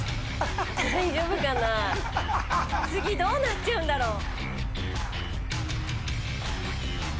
次どうなっちゃうんだろう